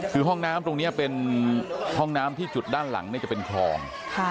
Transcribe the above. คือห้องน้ำตรงนี้เป็นห้องน้ำที่จุดด้านหลังจะเป็นคลอง